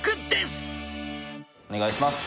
お願いします。